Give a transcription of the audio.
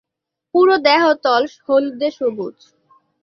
পুরো দেহতল হলদে-সবুজ।